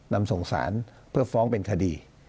นำส่งสารเพื่อฟ้องเป็นคดี